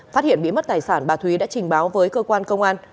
phát hiện bị mất tài sản bà thúy đã trình báo với cơ quan công an